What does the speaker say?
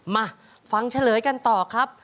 มาฟังเฉลยกันต่อครับ